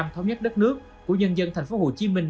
thống nhất đất nước của nhân dân thành phố hồ chí minh